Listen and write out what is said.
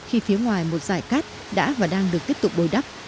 khi phía ngoài một giải cát đã và đang được tiếp tục bồi đắp